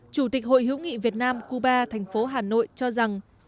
chủ tịch hội hữu nghị việt nam cuba thành phố hà nội cho rằng